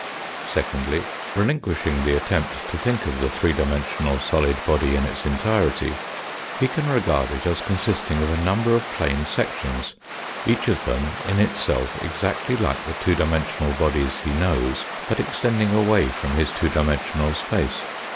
Secondly, relinquishing the attempt to think of the three dimensional solid body in its entirety he can regard it as consisting of a number of plane sections, each of them in itself exactly like the two dimensional bodies he knows, but extending away from his two dimensional space.